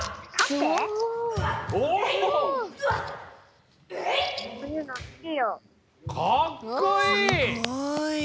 すごい！